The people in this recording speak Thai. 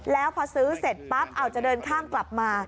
แล้วพอซื้อเสร็จปั๊บเอาจะเดินข้ามกลับมา